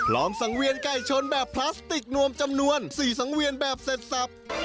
อมสังเวียนไก่ชนแบบพลาสติกนวมจำนวน๔สังเวียนแบบเสร็จสับ